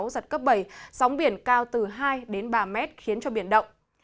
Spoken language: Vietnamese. giật cấp bảy sóng biển cao từ hai đến ba mét khiến cho biển động